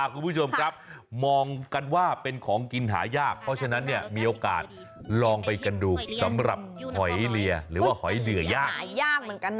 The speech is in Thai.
คุณผู้ชมครับมองกันว่าเป็นของกินหายากเพราะฉะนั้นเนี่ยมีโอกาสลองไปกันดูสำหรับหอยเลียหรือว่าหอยเดื่อยากหายากเหมือนกันนะ